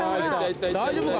大丈夫か？